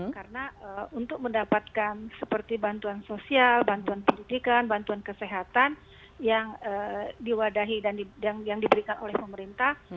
karena untuk mendapatkan seperti bantuan sosial bantuan pendidikan bantuan kesehatan yang diwadahi dan yang diberikan oleh pemerintah